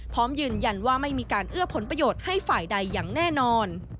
พร้อมยืนยันว่าไม่มีการเอื้อผลประโยชน์ให้ฝ่ายใดอย่างแน่นอน